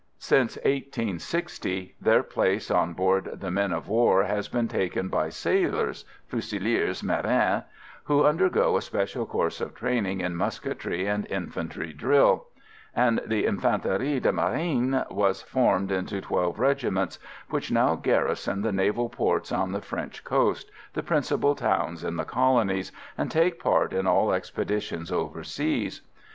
Since 1860 their place on board the men of war has been taken by sailors (fusiliers marins) who undergo a special course of training in musketry and infantry drill; and the Infanterie de Marine was formed into twelve regiments, which now garrison the naval ports on the French coast, the principal towns in the Colonies, and take part in all expeditions overseas.